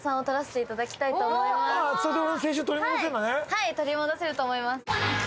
はい取り戻せると思います。